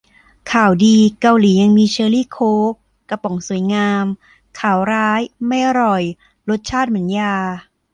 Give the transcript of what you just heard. ข่าวดี เกาหลียังมีเชอร์รี่โค้ก กระป๋องสวยงาม ข่าวร้าย ไม่อร่อย รสชาติเหมือนยา